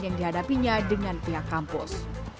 yang dihadapinya dengan pihak kampus